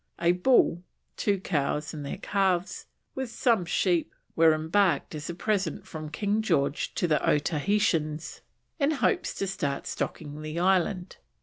A bull, two cows and their calves, with some sheep, were embarked as a present from King George to the Otahietans in hopes to start stocking the island.